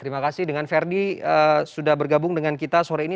terima kasih dengan verdi sudah bergabung dengan kita sore ini